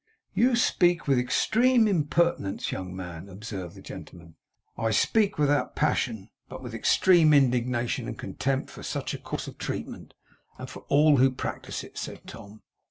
'You speak with extreme impertinence, young man,' observed the gentleman. 'I speak without passion, but with extreme indignation and contempt for such a course of treatment, and for all who practice it,' said Tom.